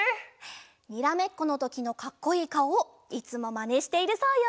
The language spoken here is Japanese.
にらめっこのときのかっこいいかおいつもまねしているそうよ。